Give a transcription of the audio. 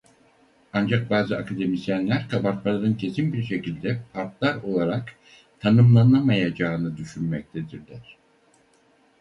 Ancak bazı akademisyenler kabartmaların kesin bir şekilde Partlar olarak tanımlanamayacağını düşünmektedirler.